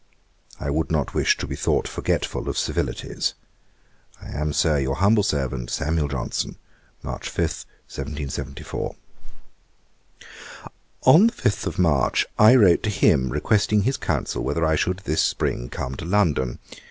I would not wish to be thought forgetful of civilities. 'I am, Sir, 'Your humble servant, 'SAM. JOHNSON.' 'March 5, 1774.' On the 5th of March I wrote to him, requesting his counsel whether I should this spring come to London.